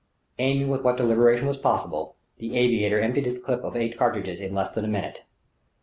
Aiming with what deliberation was possible, the aviator emptied the clip of its eight cartridges in less than a minute.